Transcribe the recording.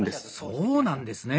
そうなんですね。